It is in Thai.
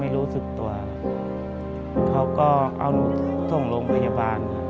รู้สึกตัวเขาก็เอาหนูส่งโรงพยาบาล